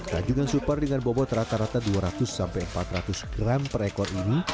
tanjungan super dengan bobot rata rata dua ratus empat ratus gram per ekor ini